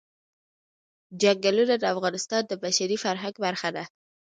چنګلونه د افغانستان د بشري فرهنګ برخه ده.